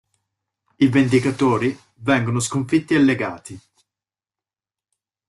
I Vendicatori vengono sconfitti e legati.